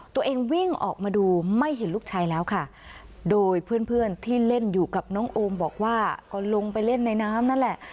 ตัวเองวิ่งออกมาดูไม่เห็นลูกชายแล้วค่ะโดยเพื่อนเพื่อนที่เล่นอยู่กับน้องโอมบอกว่าก็ลงไปเล่นในน้ำนั่นแหละ